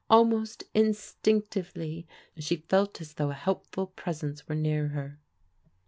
Almost instinctively she fdt as though a helpful presence were near her.